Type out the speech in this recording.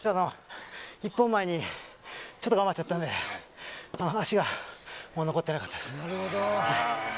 １本前にちょっとかましちゃったんで足がもう残ってなかった。